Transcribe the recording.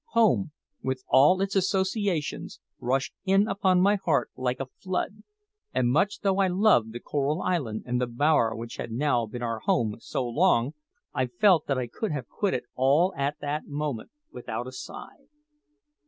Home, with all its associations, rushed in upon my heart like a flood; and much though I loved the Coral Island and the bower which had now been our home so long, I felt that I could have quitted all at that moment without a sigh.